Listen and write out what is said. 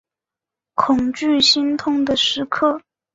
恐惧心痛的时刻